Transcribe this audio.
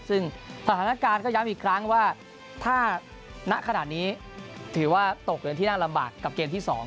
ซึ่งสถานการณ์ก็ย้ำอีกครั้งว่าถ้าณขนาดนี้ถือว่าตกเป็นที่น่าลำบากกับเกมที่๒